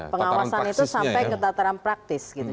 pengawasan itu sampai ke tataran praktis gitu